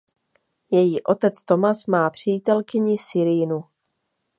Její otec Thomas má přítelkyni Serenu.